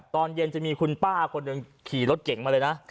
ตอนเย็นจะมีคุณป้าคนหนึ่งขี่รถเก่งมาเลยนะ